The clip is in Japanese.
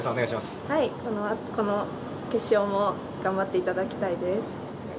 この決勝も頑張っていただきたいです。